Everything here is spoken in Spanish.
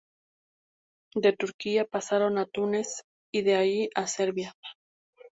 De Turquía pasaron a Túnez, y de allí a Serbia.